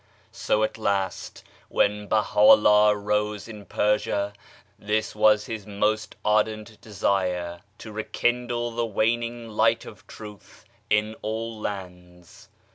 So at last, when Baha'u'llah arose in Persia, this was his most ardent desire, to rekindle the waning light of Truth in all lands.